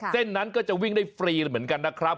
เส้นนั้นก็จะวิ่งได้ฟรีเหมือนกันนะครับ